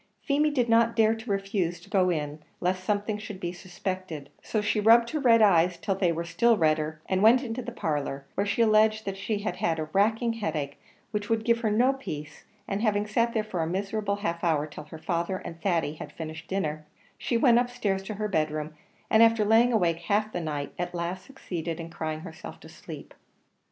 Feemy did not dare to refuse to go in lest something should be suspected; so she rubbed her red eyes till they were still redder, and went into the parlour, where she alleged that she had a racking headache, which would give her no peace; and having sat there for a miserable half hour till her father and Thady had finished their dinner, she went up stairs to her bed room, and after laying awake half the night, at last succeeded in crying herself to sleep.